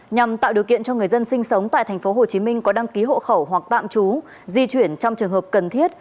nhằm tạo điều kiện cho người dân sinh sống tại tp hcm có đăng ký hộ khẩu hoặc tạm trú di chuyển trong trường hợp cần thiết